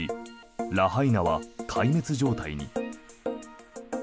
ラハイナは壊滅状態に。